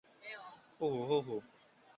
是一部由文乃千创作的漫画作品。